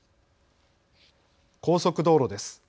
高速道路です。